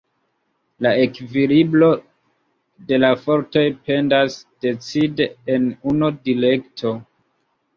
La ekvilibro de la fortoj pendas decide en unu direkto.